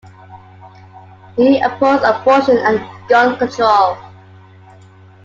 He opposed abortion and gun control.